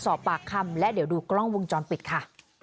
สอบปากคำและเดี๋ยวดูกล้องวงจรปิดค่ะ